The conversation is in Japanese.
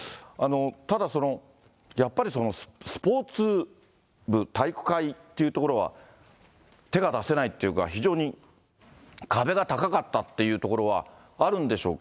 ただ、やっぱりそのスポーツ部、体育会っていうところは、手が出せないっていうか、非常に壁が高かったっていうところはあるんでしょうか。